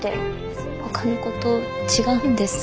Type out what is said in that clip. ほかの子と違うんです。